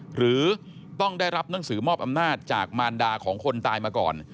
หรือต้องได้รับหนังสือมอบอำนาจจากมารดาของคนตายมาก่อน